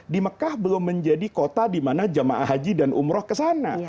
di mekah belum menjadi kota di mana jamaah haji dan umroh kesana